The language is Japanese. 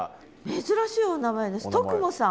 珍しいお名前です。